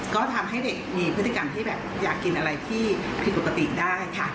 ก็ทำให้เด็กมีพฤติกรรมที่แบบอยากกินอะไรที่ผิดปกติได้ค่ะ